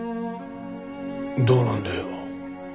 どうなんだよ。